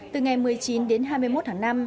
từ ngày một mươi chín đến hai mươi một tháng năm